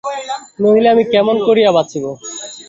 নহিলে আমি কেমন করিয়া বাঁচিব।